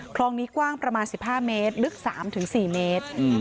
คลองนี้กว้างประมาณสิบห้าเมตรลึกสามถึงสี่เมตรอืม